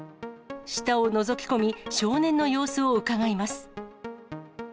下をのぞき込み、少年の様子をうかがいます。